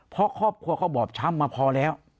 เพราะครอบครัวเขาบอบช้ำมาพอแล้ว